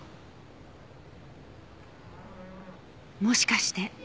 もしかして。